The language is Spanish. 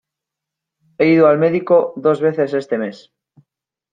He ido al médico dos veces este mes.